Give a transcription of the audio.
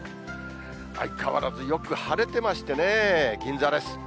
相変わらずよく晴れてましてね、銀座です。